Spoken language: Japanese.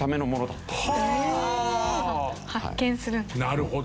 なるほど。